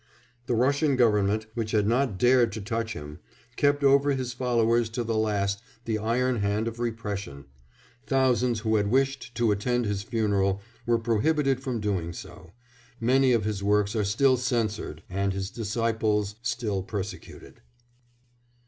The Russian Government, which had not dared to touch him, kept over his followers to the last the iron hand of repression; thousands who had wished to attend his funeral were prohibited from doing so; many of his works are still censored, and his disciples still persecuted.